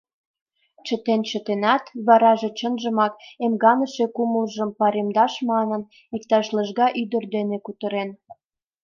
Чытен-чытенат, вараже, чынжымак, эмганыше кумылжым паремдаш манын, иктаж лыжга ӱдыр дене кутырен.